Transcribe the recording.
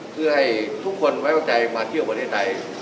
เพื่อให้ทุกคนไว้วางใจมาเที่ยวประเทศไทย